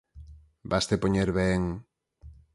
Vaste poñer ben.